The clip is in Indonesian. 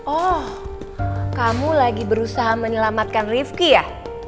oh kamu lagi berusaha menyelamatkan rifki ya